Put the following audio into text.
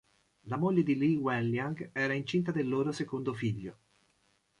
La moglie di Li Wenliang era incinta del loro secondo figlio.